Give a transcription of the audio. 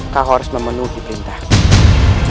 kau harus memenuhi perintahku